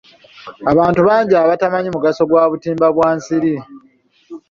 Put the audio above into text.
Abantu bangi abatamanyi mugaso gwa butimba bwa nsiri.